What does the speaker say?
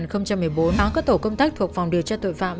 hóa các tổ công tác thuộc phòng điều tra tội phạm